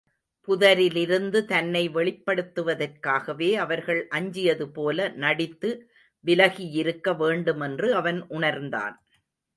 புதரிலிருந்து தன்னை வெளிப்படுத்துவதற்காகவே அவர்கள் அஞ்சியதுபோல நடித்து விலகியிருக்க வேண்டுமென்று அவன் உணர்ந்தான்.